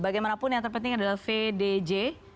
bagaimanapun yang terpenting adalah vdj